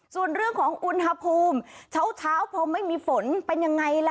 ส่วนเรื่องของอุณหภูมิเช้าพอไม่มีฝนเป็นยังไงล่ะ